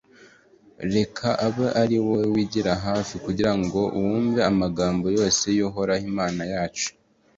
reka abe ari wowe wigira hafi kugira ngo wumve amagambo yose y’uhoraho imana yacu,